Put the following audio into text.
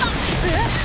えっ！？